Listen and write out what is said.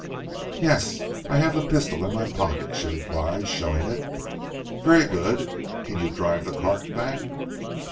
"Yes! I have the pistol in my pocket," she replied showing it. "Very good. Can you drive the cart back?"